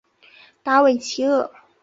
达韦齐厄。